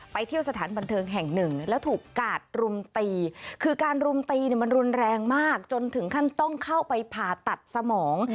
เที่ยวสถานบันเทิงแห่งหนึ่งแล้วถูกกาดรุมตีคือการรุมตีเนี่ยมันรุนแรงมากจนถึงขั้นต้องเข้าไปผ่าตัดสมอง